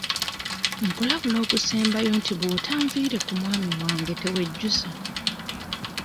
Nkulabula ogusembayo nti bw'otanviire ku mwami wange tewejjusa.